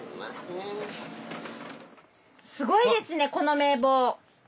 すごいですねこの名簿。